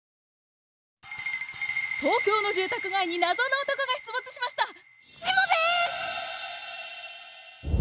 東京の住宅街に謎の男が出没しました！